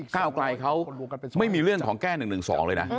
ก้าวไกลเขาไม่มีเรื่องของแก้๑๑๒เลยนะ